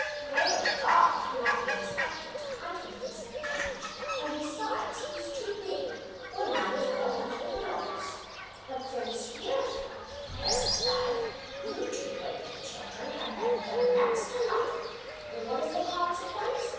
Great Old Dog cannot be expected to hunt at his age, and besides, he is too big; one might as well hunt with an ox. But since your parents died you two lazy children have done next to nothing, and what is the consequence?